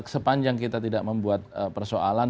sepanjang kita tidak membuat persoalan